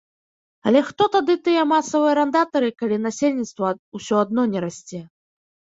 Але хто тады тыя масавыя арандатары, калі насельніцтва ўсё адно не расце.